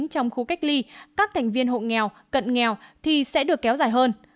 trong khu cách ly các thành viên hộ nghèo cận nghèo thì sẽ được kéo dài hơn